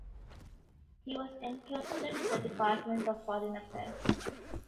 He was entrusted with the Department of Foreign Affairs.